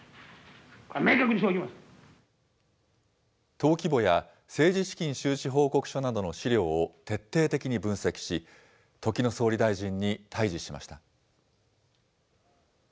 登記簿や政治資金収支報告書などの資料を徹底的に分析し、時の総理大臣に対じしました。